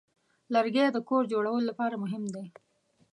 لرګی د کور جوړولو لپاره مهم دی.